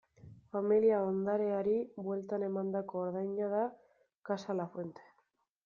Familia ondareari bueltan emandako ordaina da Casa Lafuente.